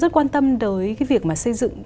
rất quan tâm tới việc xây dựng